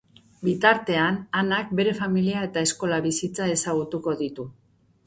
Bitartean, Anak, bere familia eta eskola bizitza ezagutuko ditu.